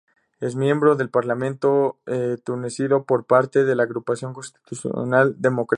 Es miembro del parlamento tunecino por parte de la Agrupación Constitucional Democrática.